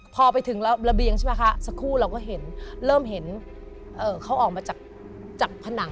พอไปถึงระเบียงใช่ไหมคะสักครู่เราก็เห็นเริ่มเห็นเขาออกมาจากผนัง